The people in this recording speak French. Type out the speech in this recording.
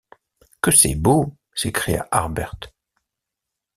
Que c’est beau s’écria Harbert